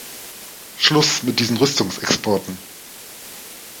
Schluss mit diesen Rüstungsexporten!